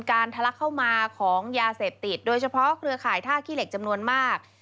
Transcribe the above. ทะลักเข้ามาของยาเสพติดโดยเฉพาะเครือข่ายท่าขี้เหล็กจำนวนมาก